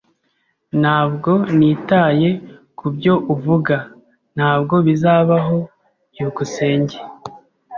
Ntabwo nitaye kubyo uvuga. Ntabwo bizabaho! byukusenge